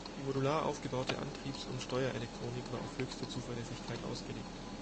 Die modular aufgebaute Antriebs- und Steuerelektronik war auf höchste Zuverlässigkeit ausgelegt.